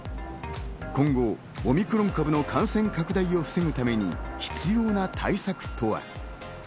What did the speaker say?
今後、オミクロン株の感染拡大を防ぐために必要な対策とは？